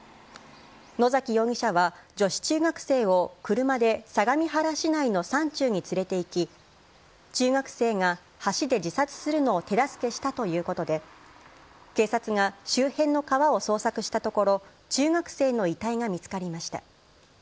野崎容疑者は、女子中学生を車で相模原市内の山中に連れていき、中学生が橋で自殺するのを手助けしたということで、警察が周辺の川を捜索したところ、中学生の遺体が見つかりました。